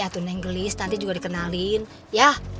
atuh nenggelis nanti juga dikenalin ya